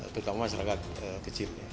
terutama masyarakat kecil